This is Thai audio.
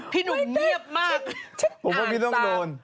ผมว่าพี่ต้องโดน